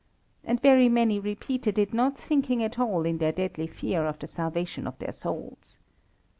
And very many repeated it not thinking at all in their deadly fear of the salvation of their souls.